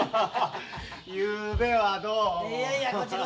ゆうべはどうも。